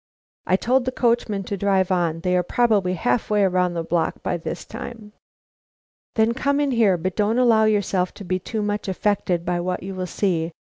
"I told the coachman to drive on. They are probably half way around the block by this time." "Then come in here. But don't allow yourself to be too much affected by what you will see.